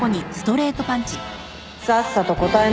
さっさと答えなさい。